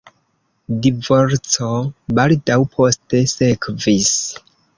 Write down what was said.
Divorco baldaŭ poste sekvis.